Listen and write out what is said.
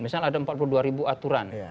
misalnya ada empat puluh dua ribu aturan